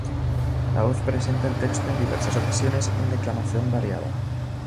La voz presenta el texto en diversas ocasiones en declamación variada.